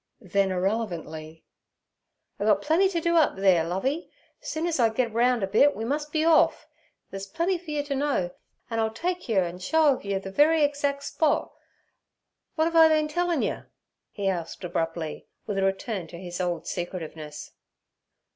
then irrelevantly, 'I gut plenty t' do up theere, Lovey; soon ez I git roun' a bit we mus' be orf. There's plenty fer you t' know, an' I'll take yer and show of yer the very exac' spot. W'at'ave I been a tellin' yer?' he said abruptly, with a return to his old secretiveness.